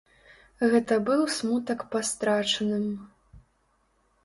Гэта быў смутак па страчаным.